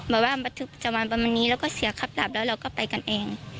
แบบว่าจะมาประมาณนี้แล้วก็เสียคับปรับแล้วเราก็ไปกันเอง